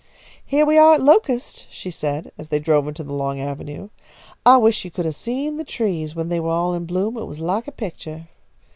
"Heah we are at Locust," she said, as they drove into the long avenue. "I wish you could have seen the trees when they were all in bloom. It was like a picture."